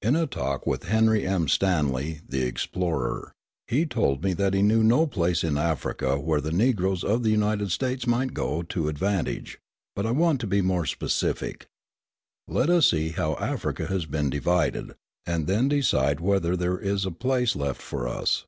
In a talk with Henry M. Stanley, the explorer, he told me that he knew no place in Africa where the Negroes of the United States might go to advantage; but I want to be more specific. Let us see how Africa has been divided, and then decide whether there is a place left for us.